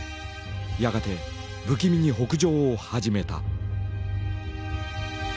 やがて不気味に北上を始めた。